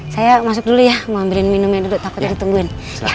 saya masuk dulu ya mau ambilin minumnya duduk takut ditungguin